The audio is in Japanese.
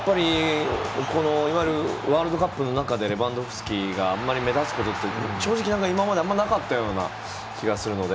ワールドカップの中でレバンドフスキが目立つことって正直、今まであまりなかった気がするので。